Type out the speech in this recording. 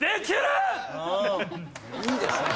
いいですね。